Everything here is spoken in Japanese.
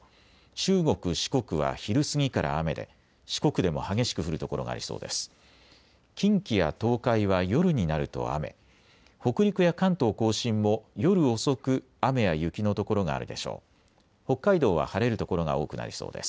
中国、四国は昼過ぎから雨で四国でも激しく降る所がありそうです。